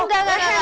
oh enggak enggak